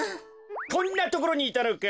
こんなところにいたのか。